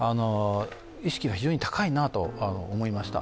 意識は非常に高いなと思いました。